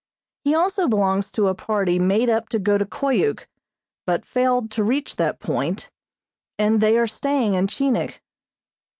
He also belongs to a party made up to go to Koyuk, but failed to reach that point, and they are staying in Chinik.